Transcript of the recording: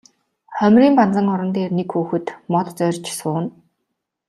Хоймрын банзан орон дээр нэг хүүхэд мод зорьж сууна.